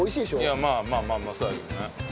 いやまあまあまあまあそうだけどね。